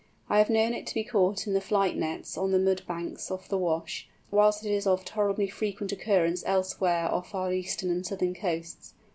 I have known it to be caught in the flight nets on the mud banks of the Wash; whilst it is of tolerably frequent occurrence elsewhere off our eastern and southern coasts.